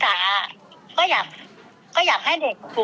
ก็อยากให้เด็กกลุ่มนี้